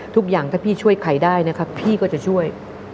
ทุกอย่างถ้าพี่ช่วยใครได้นะครับพี่ก็จะช่วย